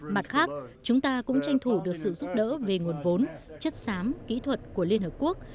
mặt khác chúng ta cũng tranh thủ được sự giúp đỡ về nguồn vốn chất xám kỹ thuật của liên hợp quốc